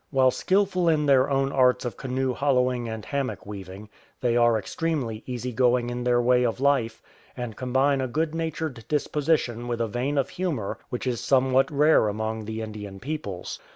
While skilful in their own arts of canoe hollowing and hammock weaving, they are extremely easy going in their way of life, and combine a good natured disposition with a vein of humour which is somewhat rare among the Indian peoples.